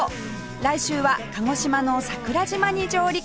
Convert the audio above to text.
来週は鹿児島の桜島に上陸